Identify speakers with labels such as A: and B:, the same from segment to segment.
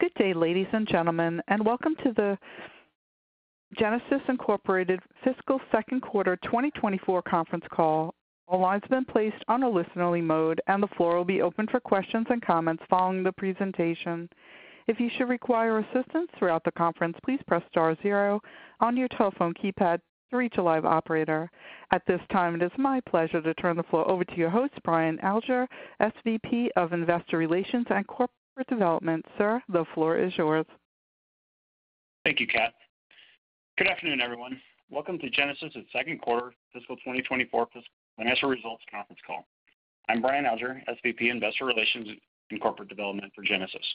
A: Good day, ladies and gentlemen, and welcome to the Genasys Inc. Fiscal Second Quarter 2024 conference call. All lines have been placed on a listener-only mode, and the floor will be open for questions and comments following the presentation. If you should require assistance throughout the conference, please press star zero on your telephone keypad to reach a live operator. At this time, it is my pleasure to turn the floor over to your host, Brian Alger, SVP of Investor Relations and Corporate Development. Sir, the floor is yours.
B: Thank you, Kat. Good afternoon, everyone. Welcome to Genasys's Second Quarter Fiscal 2024 Financial Results Conference Call. I'm Brian Alger, SVP Investor Relations and Corporate Development for Genasys.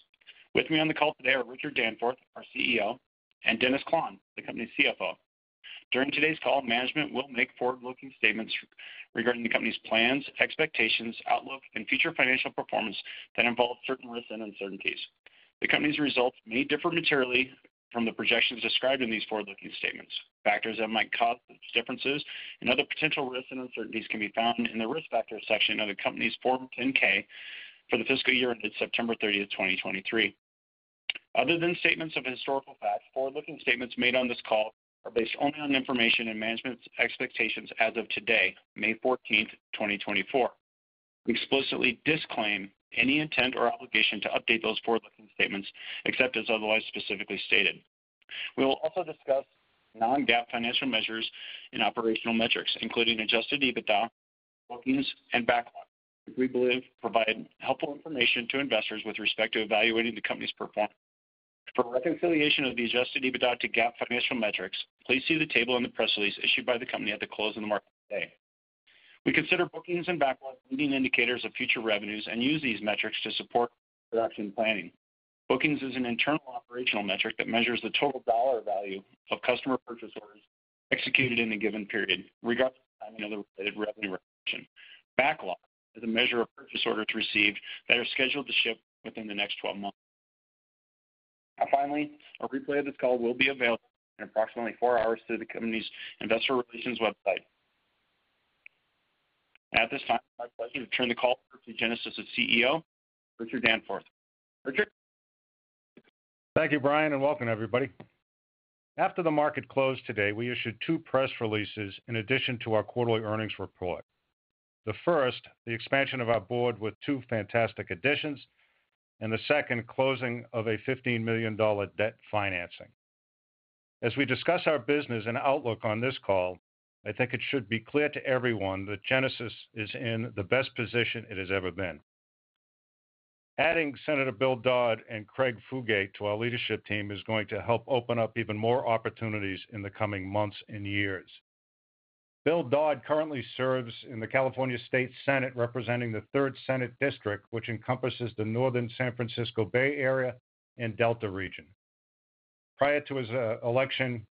B: With me on the call today are Richard Danforth, our CEO, and Dennis Klahn, the company's CFO. During today's call, management will make forward-looking statements regarding the company's plans, expectations, outlook, and future financial performance that involve certain risks and uncertainties. The company's results may differ materially from the projections described in these forward-looking statements. Factors that might cause differences and other potential risks and uncertainties can be found in the Risk Factors section of the company's Form 10-K for the fiscal year ended September 30th, 2023. Other than statements of historical facts, forward-looking statements made on this call are based only on information and management's expectations as of today, May 14th, 2024. We explicitly disclaim any intent or obligation to update those forward-looking statements except as otherwise specifically stated. We will also discuss non-GAAP financial measures and operational metrics, including Adjusted EBITDA, forward-looking, and backlog, which we believe provide helpful information to investors with respect to evaluating the company's performance. For reconciliation of the Adjusted EBITDA to GAAP financial metrics, please see the table and the press release issued by the company at the close of the market today. We consider bookings and backlogs leading indicators of future revenues and use these metrics to support production planning. Bookings is an internal operational metric that measures the total dollar value of customer purchase orders executed in the given period, regardless of the timing of the related revenue recognition. Backlog is a measure of purchase orders received that are scheduled to ship within the next 12 months. Finally, a replay of this call will be available in approximately four hours through the company's Investor Relations website. At this time, it is my pleasure to turn the call over to Genasys's CEO, Richard Danforth. Richard?
C: Thank you, Brian, and welcome, everybody. After the market closed today, we issued two press releases in addition to our quarterly earnings report. The first, the expansion of our board with two fantastic additions, and the second, closing of a $15 million debt financing. As we discuss our business and outlook on this call, I think it should be clear to everyone that Genasys is in the best position it has ever been. Adding Senator Bill Dodd and Craig Fugate to our leadership team is going to help open up even more opportunities in the coming months and years. Bill Dodd currently serves in the California State Senate, representing the Third Senate District, which encompasses the northern San Francisco Bay Area and Delta region. Prior to his election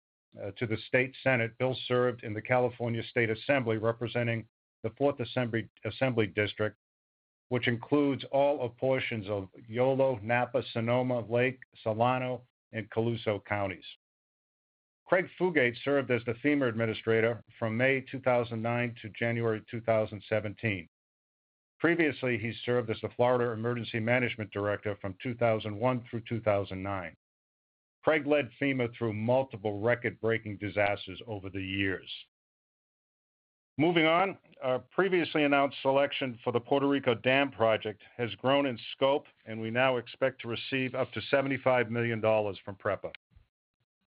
C: to the State Senate, Bill served in the California State Assembly, representing the Fourth Assembly District, which includes all portions of Yolo, Napa, Sonoma, Lake, Solano, and Colusa counties. Craig Fugate served as the FEMA administrator from May 2009 to January 2017. Previously, he served as the Florida Emergency Management Director from 2001 through 2009. Craig led FEMA through multiple record-breaking disasters over the years. Moving on, our previously announced selection for the Puerto Rico Dam Project has grown in scope, and we now expect to receive up to $75 million from PREPA.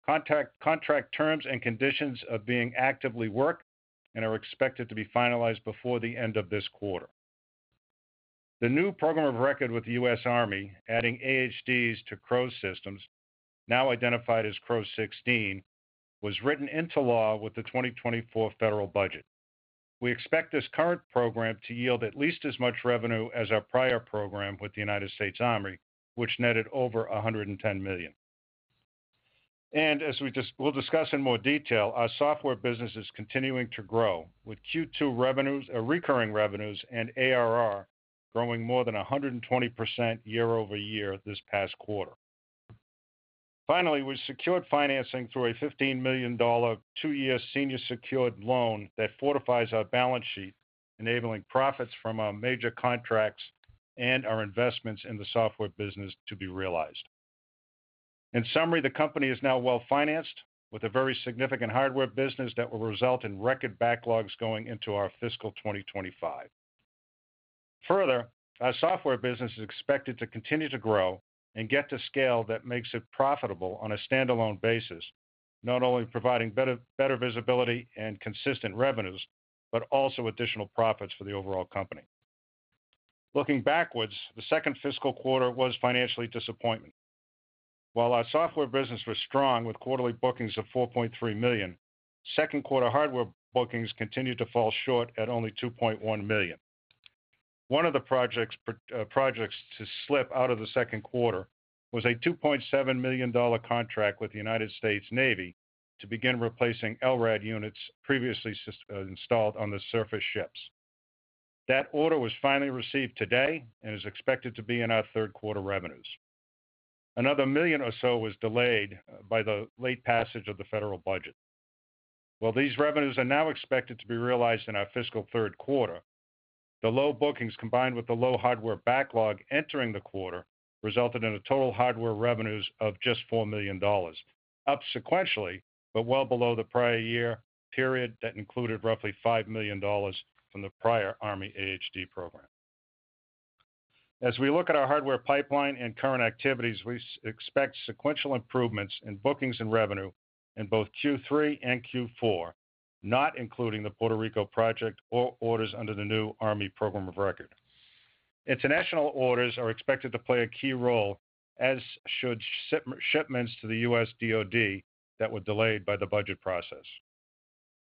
C: Contract terms and conditions are being actively worked and are expected to be finalized before the end of this quarter. The new program of record with the U.S. Army, adding AHDs to CROWS systems, now identified as CROWS-16, was written into law with the 2024 federal budget. We expect this current program to yield at least as much revenue as our prior program with the United States Army, which netted over $110 million. As we'll discuss in more detail, our software business is continuing to grow, with Q2 recurring revenues and ARR growing more than 120% year-over-year this past quarter. Finally, we secured financing through a $15 million two-year senior secured loan that fortifies our balance sheet, enabling profits from our major contracts and our investments in the software business to be realized. In summary, the company is now well-financed, with a very significant hardware business that will result in record backlogs going into our fiscal 2025. Further, our software business is expected to continue to grow and get to scale that makes it profitable on a standalone basis, not only providing better visibility and consistent revenues but also additional profits for the overall company. Looking backwards, the second fiscal quarter was financially disappointing. While our software business was strong, with quarterly bookings of $4.3 million, second quarter hardware bookings continued to fall short at only $2.1 million. One of the projects to slip out of the second quarter was a $2.7 million contract with the United States Navy to begin replacing LRAD units previously installed on the surface ships. That order was finally received today and is expected to be in our third quarter revenues. Another million or so was delayed by the late passage of the federal budget. While these revenues are now expected to be realized in our fiscal third quarter, the low bookings combined with the low hardware backlog entering the quarter resulted in a total hardware revenues of just $4 million, up sequentially but well below the prior year period that included roughly $5 million from the prior Army AHD program. As we look at our hardware pipeline and current activities, we expect sequential improvements in bookings and revenue in both Q3 and Q4, not including the Puerto Rico project or orders under the new Army program of record. International orders are expected to play a key role, as should shipments to the U.S. DOD that were delayed by the budget process.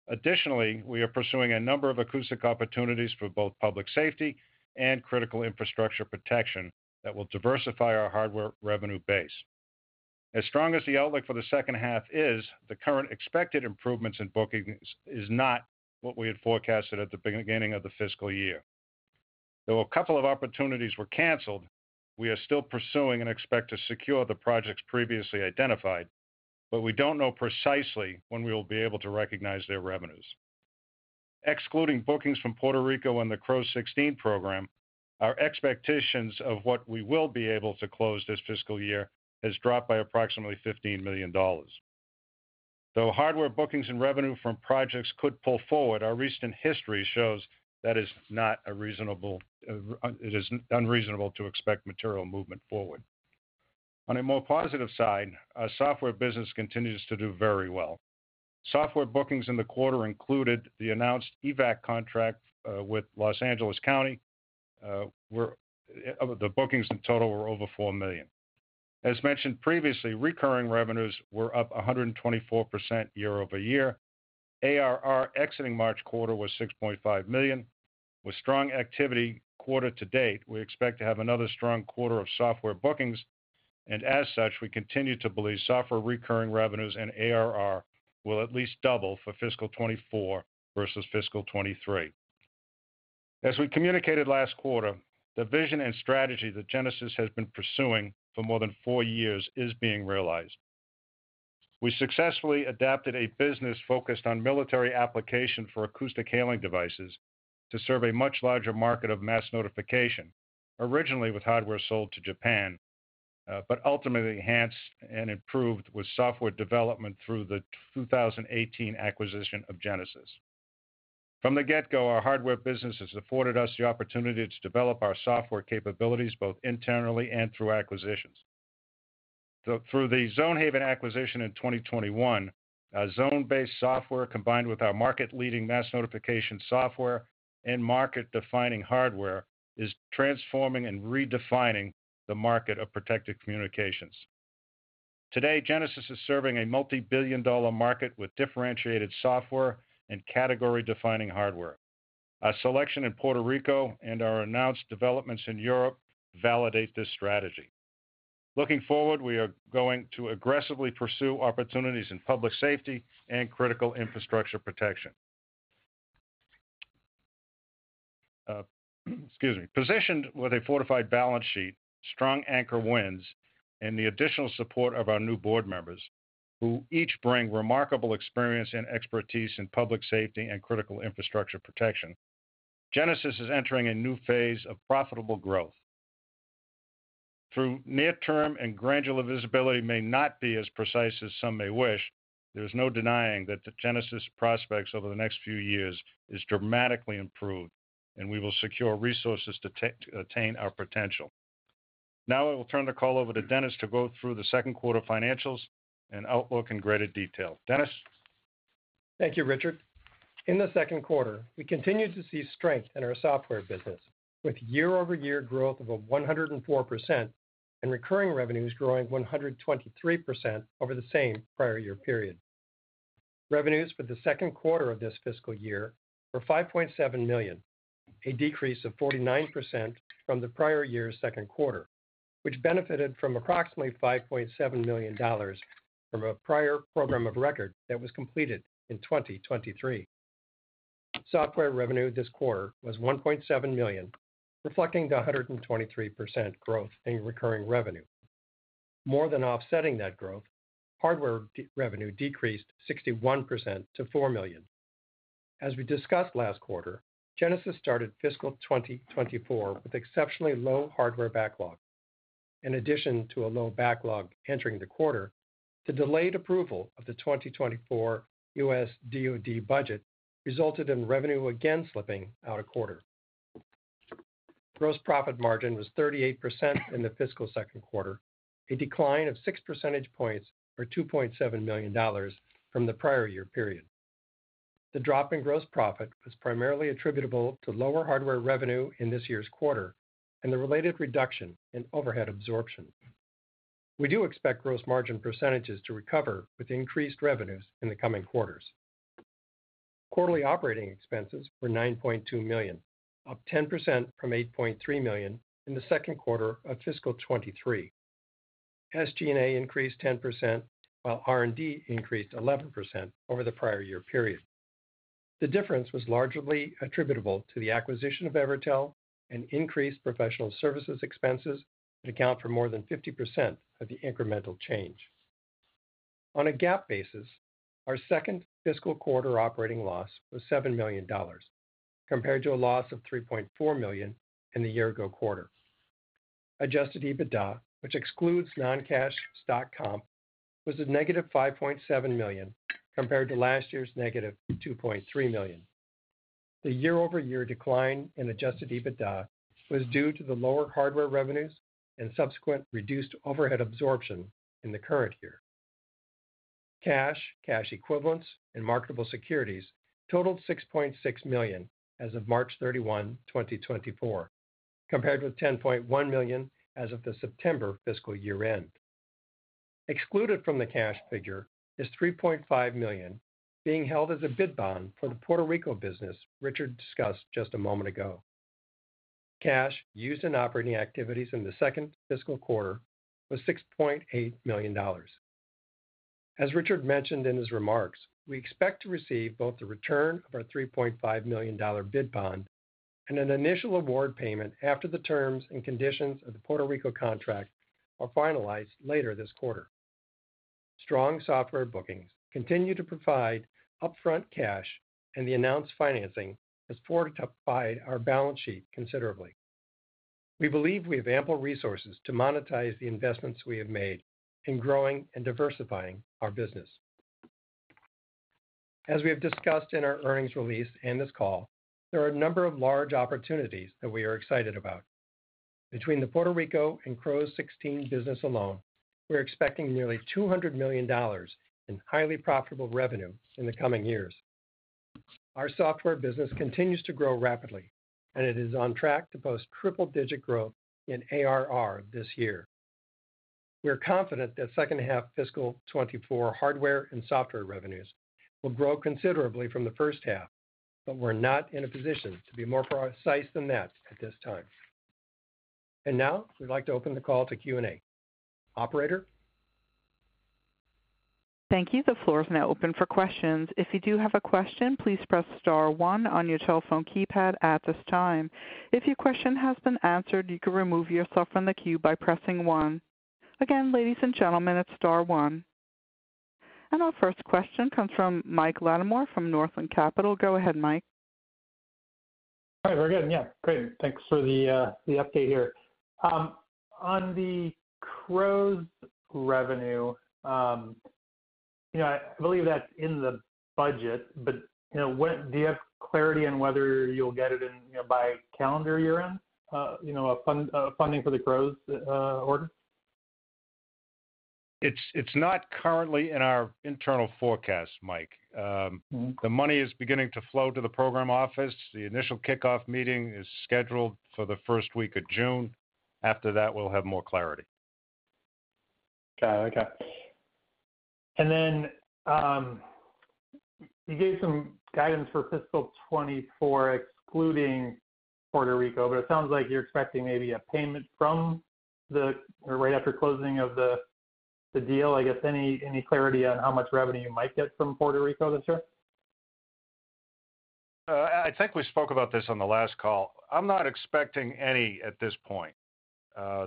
C: Additionally, we are pursuing a number of acoustic opportunities for both public safety and critical infrastructure protection that will diversify our hardware revenue base. As strong as the outlook for the second half is, the current expected improvements in bookings are not what we had forecasted at the beginning of the fiscal year. Though a couple of opportunities were canceled, we are still pursuing and expect to secure the projects previously identified, but we don't know precisely when we will be able to recognize their revenues. Excluding bookings from Puerto Rico and the CROWS-16 program, our expectations of what we will be able to close this fiscal year have dropped by approximately $15 million. Though hardware bookings and revenue from projects could pull forward, our recent history shows that it is unreasonable to expect material movement forward. On a more positive side, our software business continues to do very well. Software bookings in the quarter included the announced EVAC contract with Los Angeles County, where the bookings in total were over $4 million. As mentioned previously, recurring revenues were up 124% year-over-year. ARR exiting March quarter was $6.5 million. With strong activity quarter-to-date, we expect to have another strong quarter of software bookings, and as such, we continue to believe software recurring revenues and ARR will at least double for fiscal 2024 versus fiscal 2023. As we communicated last quarter, the vision and strategy that Genasys has been pursuing for more than four years is being realized. We successfully adapted a business focused on military application for acoustic hailing devices to serve a much larger market of mass notification, originally with hardware sold to Japan but ultimately enhanced and improved with software development through the 2018 acquisition of Genasys. From the get-go, our hardware business has afforded us the opportunity to develop our software capabilities both internally and through acquisitions. Through the Zonehaven acquisition in 2021, our zone-based software combined with our market-leading mass notification software and market-defining hardware is transforming and redefining the market of protective communications. Today, Genasys is serving a multibillion-dollar market with differentiated software and category-defining hardware. Our selection in Puerto Rico and our announced developments in Europe validate this strategy. Looking forward, we are going to aggressively pursue opportunities in public safety and critical infrastructure protection. Positioned with a fortified balance sheet, strong anchor wins, and the additional support of our new board members, who each bring remarkable experience and expertise in public safety and critical infrastructure protection, Genasys is entering a new phase of profitable growth. Though near-term and granular visibility may not be as precise as some may wish, there is no denying that Genasys' prospects over the next few years are dramatically improved, and we will secure resources to attain our potential. Now I will turn the call over to Dennis to go through the second quarter financials and outlook in greater detail. Dennis?
D: Thank you, Richard. In the second quarter, we continued to see strength in our software business, with year-over-year growth of 104% and recurring revenues growing 123% over the same prior year period. Revenues for the second quarter of this fiscal year were $5.7 million, a decrease of 49% from the prior year's second quarter, which benefited from approximately $5.7 million from a prior program of record that was completed in 2023. Software revenue this quarter was $1.7 million, reflecting the 123% growth in recurring revenue. More than offsetting that growth, hardware revenue decreased 61% to $4 million. As we discussed last quarter, Genasys started fiscal 2024 with exceptionally low hardware backlog. In addition to a low backlog entering the quarter, the delayed approval of the 2024 U.S. DOD budget resulted in revenue again slipping out of quarter. Gross profit margin was 38% in the fiscal second quarter, a decline of 6 percentage points or $2.7 million from the prior year period. The drop in gross profit was primarily attributable to lower hardware revenue in this year's quarter and the related reduction in overhead absorption. We do expect gross margin percentages to recover with increased revenues in the coming quarters. Quarterly operating expenses were $9.2 million, up 10% from $8.3 million in the second quarter of fiscal 2023. SG&A increased 10% while R&D increased 11% over the prior year period. The difference was largely attributable to the acquisition of Evertel and increased professional services expenses that account for more than 50% of the incremental change. On a GAAP basis, our second fiscal quarter operating loss was $7 million, compared to a loss of $3.4 million in the year-ago quarter. Adjusted EBITDA, which excludes non-cash stock comp, was -$5.7 million compared to last year's negative $2.3 million. The year-over-year decline in adjusted EBITDA was due to the lower hardware revenues and subsequent reduced overhead absorption in the current year. Cash, cash equivalents, and marketable securities totaled $6.6 million as of March 31, 2024, compared with $10.1 million as of the September fiscal year end. Excluded from the cash figure is $3.5 million, being held as a bid bond for the Puerto Rico business Richard discussed just a moment ago. Cash used in operating activities in the second fiscal quarter was $6.8 million. As Richard mentioned in his remarks, we expect to receive both the return of our $3.5 million bid bond and an initial award payment after the terms and conditions of the Puerto Rico contract are finalized later this quarter. Strong software bookings continue to provide upfront cash, and the announced financing has fortified our balance sheet considerably. We believe we have ample resources to monetize the investments we have made in growing and diversifying our business. As we have discussed in our earnings release and this call, there are a number of large opportunities that we are excited about. Between the Puerto Rico and CROWS-16 business alone, we are expecting nearly $200 million in highly profitable revenue in the coming years. Our software business continues to grow rapidly, and it is on track to post triple-digit growth in ARR this year. We are confident that second half fiscal 2024 hardware and software revenues will grow considerably from the first half, but we're not in a position to be more precise than that at this time. Now we'd like to open the call to Q&A. Operator?
A: Thank you. The floor is now open for questions. If you do have a question, please press star one on your telephone keypad at this time. If your question has been answered, you can remove yourself from the queue by pressing one. Again, ladies and gentlemen, it's star one. And our first question comes from Mike Latimore from Northland Capital. Go ahead, Mike.
E: All right. We're good. Yeah. Great. Thanks for the update here. On the CROWS revenue, I believe that's in the budget, but do you have clarity on whether you'll get it by calendar year-end, funding for the CROWS order?
C: It's not currently in our internal forecast, Mike. The money is beginning to flow to the program office. The initial kickoff meeting is scheduled for the first week of June. After that, we'll have more clarity.
E: Got it. Okay. And then you gave some guidance for fiscal 2024 excluding Puerto Rico, but it sounds like you're expecting maybe a payment right after closing of the deal. I guess, any clarity on how much revenue you might get from Puerto Rico this year?
C: I think we spoke about this on the last call. I'm not expecting any at this point.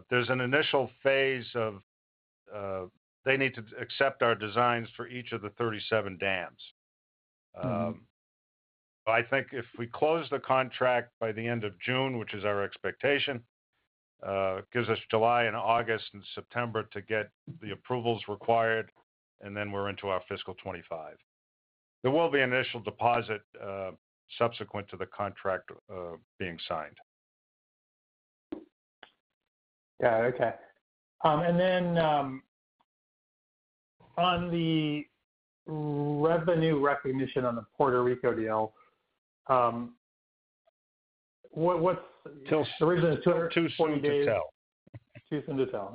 C: There's an initial phase of they need to accept our designs for each of the 37 dams. I think if we close the contract by the end of June, which is our expectation, it gives us July and August and September to get the approvals required, and then we're into our fiscal 2025. There will be an initial deposit subsequent to the contract being signed.
E: Got it. Okay. And then on the revenue recognition on the Puerto Rico deal, what's the original?
C: Till 200 days.
E: 270 days? 270days till.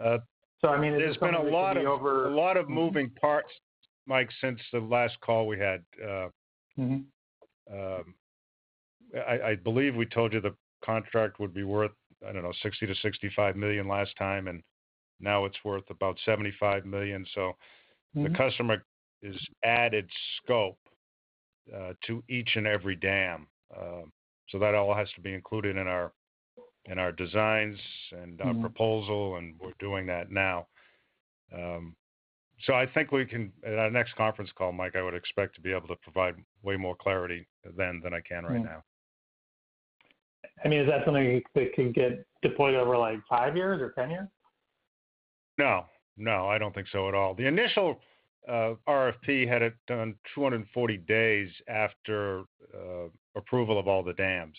E: Okay. So I mean, it's going to be over.
C: There's been a lot of moving parts, Mike, since the last call we had. I believe we told you the contract would be worth, I don't know, $60 million-$65 million last time, and now it's worth about $75 million. So the customer is added scope to each and every dam. So that all has to be included in our designs and proposal, and we're doing that now. So I think we can at our next conference call, Mike, I would expect to be able to provide way more clarity than I can right now.
E: I mean, is that something that could get deployed over 5 years or 10 years?
C: No. No. I don't think so at all. The initial RFP had it done 240 days after approval of all the dams.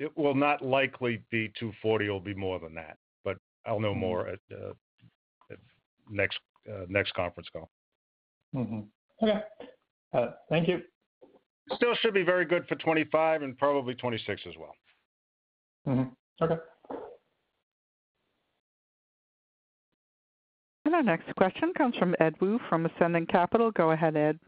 C: It will not likely be 240 or be more than that, but I'll know more at next conference call.
E: Okay. Thank you.
C: Still should be very good for 2025 and probably 2026 as well.
E: Okay.
A: Our next question comes from Edward Woo from Ascendiant Capital. Go ahead, Ed.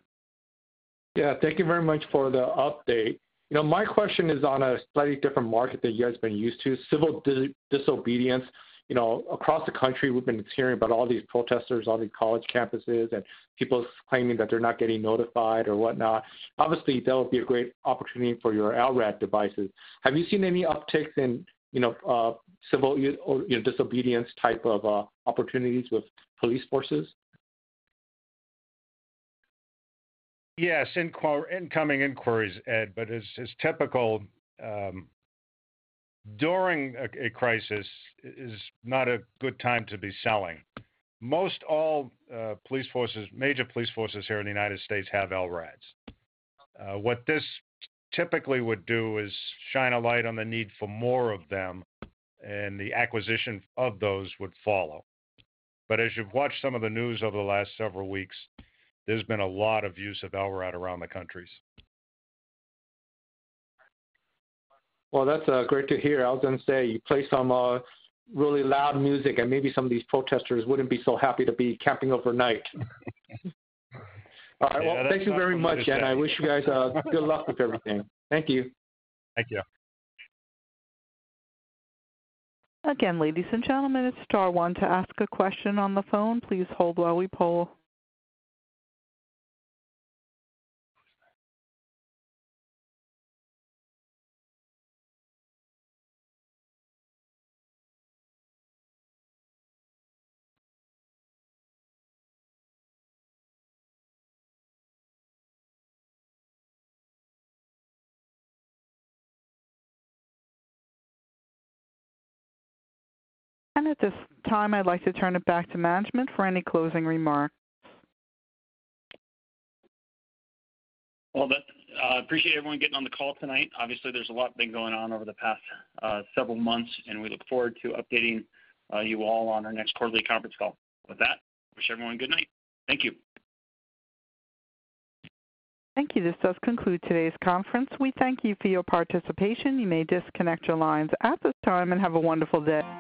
F: Yeah. Thank you very much for the update. My question is on a slightly different market that you guys have been used to, civil disobedience. Across the country, we've been hearing about all these protesters on these college campuses and people claiming that they're not getting notified or whatnot. Obviously, that would be a great opportunity for your LRAD devices. Have you seen any upticks in civil disobedience type of opportunities with police forces?
C: Yes. Incoming inquiries, Ed, but as typical, during a crisis is not a good time to be selling. Most all major police forces here in the United States have LRADs. What this typically would do is shine a light on the need for more of them, and the acquisition of those would follow. But as you've watched some of the news over the last several weeks, there's been a lot of use of LRAD around the countries.
F: Well, that's great to hear. I was going to say you play some really loud music, and maybe some of these protesters wouldn't be so happy to be camping overnight. All right. Well, thank you very much, and I wish you guys good luck with everything. Thank you.
C: Thank you.
A: Again, ladies and gentlemen, it's star one to ask a question on the phone. Please hold while we poll. At this time, I'd like to turn it back to management for any closing remarks.
B: Well, I appreciate everyone getting on the call tonight. Obviously, there's a lot been going on over the past several months, and we look forward to updating you all on our next quarterly conference call. With that, wish everyone good night. Thank you.
A: Thank you. This does conclude today's conference. We thank you for your participation. You may disconnect your lines at this time and have a wonderful day.